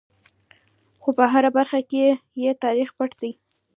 خو په هره برخه کې یې تاریخ پټ دی.